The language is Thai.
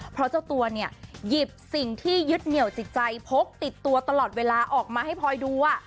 เพราะเจ้าตัวเนี่ยหยิบสิ่งที่ยึดเหนียวจิตใจพกติดตัวตลอดเวลาออกมาให้พลอยดู